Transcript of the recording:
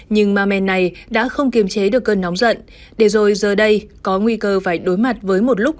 nhưng ma men này đã không kiềm chế được cơn nóng giận để rồi giờ đây có nguy cơ phải đối mặt với một lúc